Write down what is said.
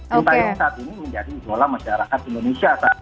cintayong saat ini menjadi idola masyarakat indonesia